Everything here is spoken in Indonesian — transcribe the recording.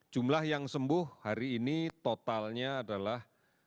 jumlah yang sembuh hari ini totalnya adalah satu dua ratus sembilan puluh lima